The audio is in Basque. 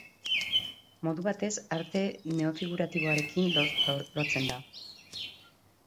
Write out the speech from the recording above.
Modu batez arte neofiguratiboarekin lotzen da.